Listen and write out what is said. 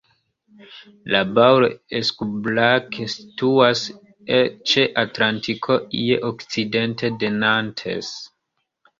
La Baule-Escoublac situas ĉe Atlantiko je okcidente de Nantes.